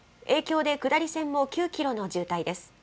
影響で下り線も９キロの渋滞です。